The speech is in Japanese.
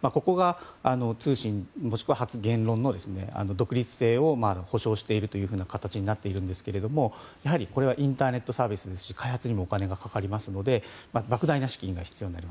ここは通信もしくは言論の独立性を保障しているというふうな形になっているんですけれどもやはりインターネットサービスですし開発にもお金がかかりますので莫大な資金が必要になります。